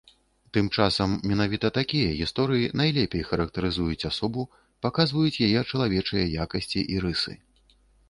Тым часам, менавіта такія гісторыі найлепей характарызуюць асобу, паказваюць яе чалавечыя якасці і рысы.